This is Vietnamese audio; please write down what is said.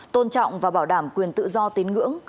tôn trọng và bảo đảm quyền tự do tín ngưỡng